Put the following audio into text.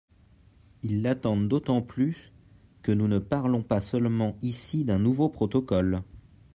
Ils l’attendent d’autant plus que nous ne parlons pas seulement ici d’un nouveau protocole.